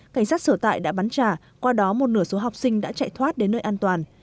cảnh sát sửa tại đã bắn trả qua đó một nửa số học sinh đã chạy thoát đến nơi an toàn